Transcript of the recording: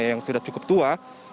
yang sudah cukup tua